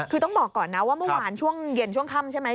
คือต้องบอกก่อนนะว่าเมื่อวานช่วงเย็นช่วงค่ำใช่ไหม